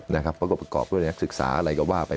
แล้วก็ประกอบด้วยนักศึกษาอะไรก็ว่าไป